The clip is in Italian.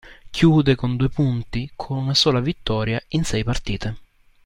Chiude con due punti, con una sola vittoria in sei partite.